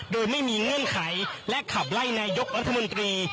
โดยไม่มีเงื่อนไขและขับไล่นายกรัฐมนตรี